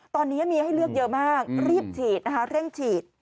ตอนนี้มีให้เลือกเยอะมากรีบฉีดนะคะเร่งฉีด